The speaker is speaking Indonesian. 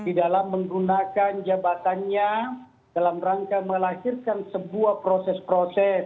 di dalam menggunakan jabatannya dalam rangka melahirkan sebuah proses proses